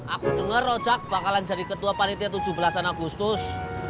aku dengar rojak bakalan jadi ketua panitia tujuh belas agustus